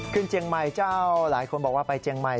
เจียงใหม่เจ้าหลายคนบอกว่าไปเจียงใหม่